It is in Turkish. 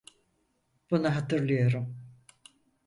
Bunu hatırlıyorum.